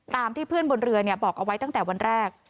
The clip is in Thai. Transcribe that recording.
ตามที่เพื่อนบนเรือบอกเอาไว้ตั้งแต่วันแรก